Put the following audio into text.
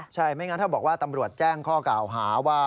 ใช่ไม่งั้นถ้าบอกว่าตำรวจแจ้งข้อกล่าวหาว่า